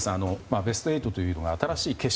ベスト８というのは新しい景色。